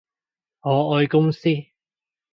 我愛公司